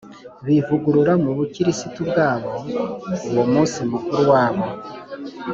bivugurura mu bukristu bwabo, uwo munsi mukuru wabo